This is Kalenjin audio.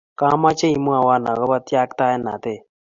Kemeche imwowon agoba tyaktaenatet